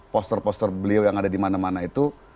poster poster beliau yang ada di mana mana itu